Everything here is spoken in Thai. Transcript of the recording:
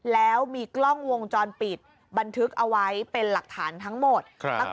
แล้วมีกล้องวงจรปิดบันทึกเอาไว้เป็นหลักฐานทั้งหมด